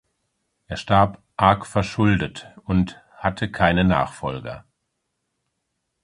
Er starb „arg verschuldet“ und „hatte keine Nachfolger“.